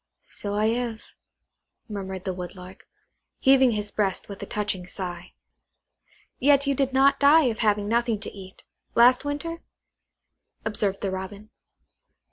"So I have," murmured the Woodlark, heaving his breast with a touching sigh. "Yet you did not die of having nothing to eat, last winter?" observed the Robin.